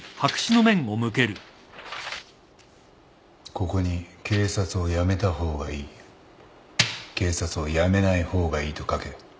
ここに「警察を辞めた方がいい警察を辞めない方がいい」と書け。